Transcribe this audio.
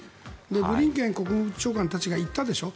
ブリンケン国務長官たちが行ったでしょ。